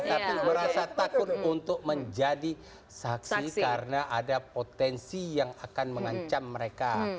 tapi merasa takut untuk menjadi saksi karena ada potensi yang akan mengancam mereka